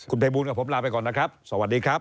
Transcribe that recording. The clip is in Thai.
ภัยบูลกับผมลาไปก่อนนะครับสวัสดีครับ